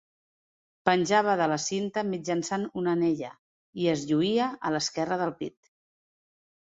Penjava de la cinta mitjançant una anella; i es lluïa a l'esquerra del pit.